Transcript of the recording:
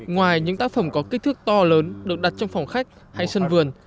ngoài những tác phẩm có kích thước to lớn được đặt trong phòng khách hay sân vườn